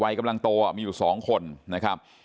วัยกำลังโตมีอยู่๒คนนะครับ